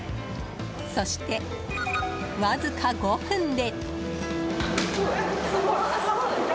そして、わずか５分で。